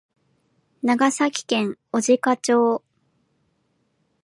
長崎県小値賀町